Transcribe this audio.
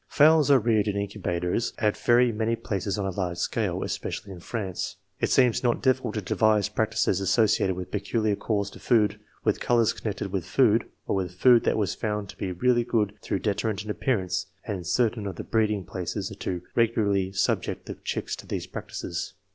Fowls are reared in in cubators at very many places on a large scale, especially in France. It seemed not difficult to devise practices as sociated with peculiar calls to food, with colours connected with food, or with food that was found to be really good though deterrent in appearance, and in certain of the breeding places to regularly subject the chicks to these practices.